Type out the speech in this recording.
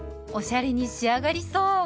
おしゃれに仕上がりそう！